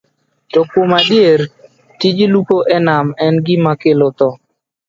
To kuom adier, tij lupo e nam en gima kelo tho.